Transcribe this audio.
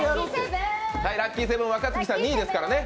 ラッキー７、若槻さん２位ですからね。